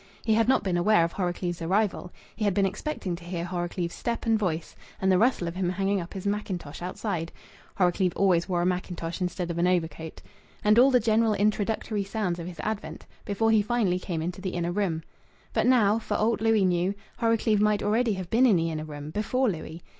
He had not been aware of Horrocleave's arrival. He had been expecting to hear Horrocleave's step and voice, and the rustle of him hanging up his mackintosh outside (Horrocleave always wore a mackintosh instead of an overcoat), and all the general introductory sounds of his advent, before he finally came into the inner room. But, now, for aught Louis knew, Horrocleave might already have been in the inner room, before Louis.